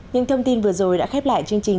những thông tin vừa rồi đã khép lại chương trình